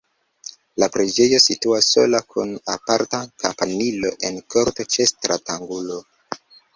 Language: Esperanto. La preĝejo situas sola kun aparta kampanilo en korto ĉe stratangulo.